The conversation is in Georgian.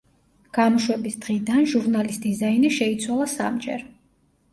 გამოშვების დღიდან, ჟურნალის დიზაინი შეიცვალა სამჯერ.